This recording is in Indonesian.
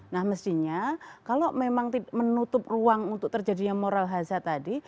nah mestinya kalau memang menutup ruang untuk terjadinya moral hazar tadi